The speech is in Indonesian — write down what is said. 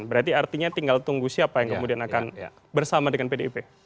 berarti artinya tinggal tunggu siapa yang kemudian akan bersama dengan pdip